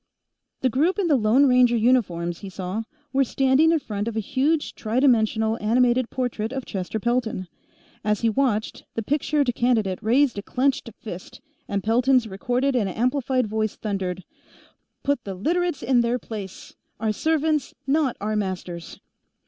The group in the Lone Ranger uniforms, he saw, were standing in front of a huge tri dimensional animated portrait of Chester Pelton. As he watched, the pictured candidate raised a clenched fist, and Pelton's recorded and amplified voice thundered: "_Put the Literates in their place! Our servants, not our masters!